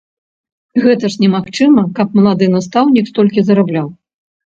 Гэта ж немагчыма, каб малады настаўнік столькі зарабляў!